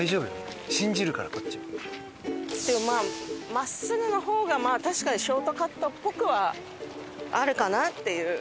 真っすぐの方がまあ確かにショートカットっぽくはあるかなっていう。